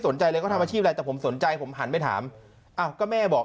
สนใจเลยเขาทำอาชีพอะไรแต่ผมสนใจผมหันไปถามอ้าวก็แม่บอก